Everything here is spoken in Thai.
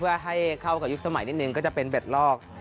เพื่อให้เข้ากับยุคสมัยนิดนึงก็จะเป็นเบ็ดลอก